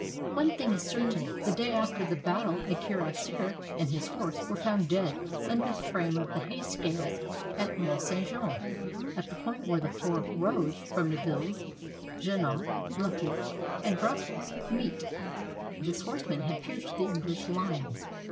One thing is certain : the day after the battle a cuirassier and his horse were found dead under the frame of the hay scales at Mont St. Jean, at the point where the four roads from Nivelles, Genappe, La Hulpe, and Brussels 375 FRANCE meet. This horseman had pierced the English lines.